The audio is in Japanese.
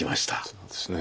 そうですね。